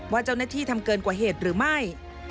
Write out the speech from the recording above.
ว่าเจ้าหน้าที่ทำเกินกว่าเหตุหรือไม่